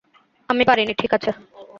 আমি পারিনি, - ঠিক আছে।